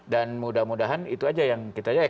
dan mudah mudahan itu aja yang kita jelaskan ya